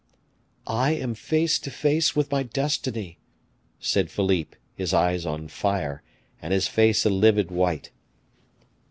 "I am face to face with my destiny," said Philippe, his eyes on fire, and his face a livid white.